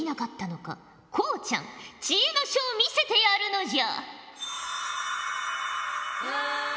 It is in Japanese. こうちゃん知恵の書を見せてやるのじゃ。